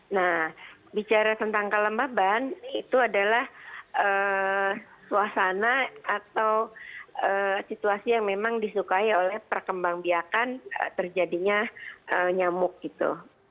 nah bicara tentang kelembaban itu adalah suasana atau situasi yang memang disukai oleh perkembang biakan terjadinya nyamuk gitu